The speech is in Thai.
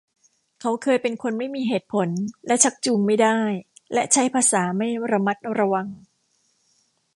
เขาเคยเป็นคนไม่มีเหตุผล และชักจูงไม่ได้ และใช้ภาษาไม่ระมัดระวัง